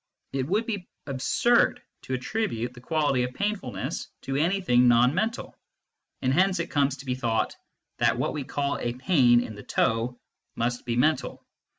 It would be absurd to attribute the quality of painfulness to anything non mental, and hence it comes to be thought that what we call a pain in the toe must be mental.